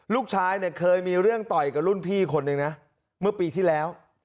ลูกชายเนี่ยเคยมีเรื่องต่อยกับรุ่นพี่คนหนึ่งนะเมื่อปีที่แล้ว